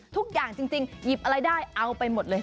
ทุกอย่างจริงหยิบอะไรได้เอาไปหมดเลย